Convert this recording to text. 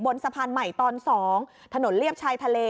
สะพานใหม่ตอน๒ถนนเลียบชายทะเล